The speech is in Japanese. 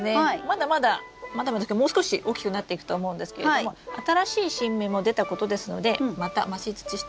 まだまだまだまだですけどもう少し大きくなっていくと思うんですけれども新しい新芽も出たことですのでまた増し土しておきましょうか。